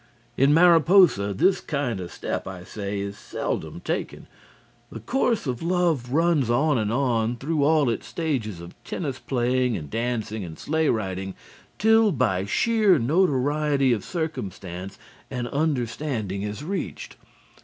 In Mariposa this kind of step, I say, is seldom taken. The course of love runs on and on through all its stages of tennis playing and dancing and sleigh riding, till by sheer notoriety of circumstance an understanding is reached.